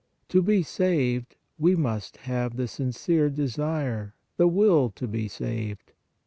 To be saved, we must have the sincere de sire, the will to be saved.